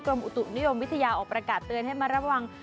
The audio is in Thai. อุตุนิยมวิทยาออกประกาศเตือนให้มาระวัง